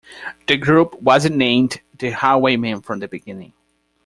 The group wasn't named "The Highwaymen" from the beginning.